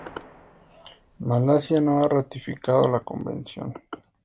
Malasia no ha ratificado la convención.